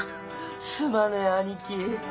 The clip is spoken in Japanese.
すまねえ兄貴。